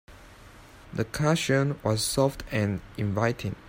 The cushion was soft and inviting.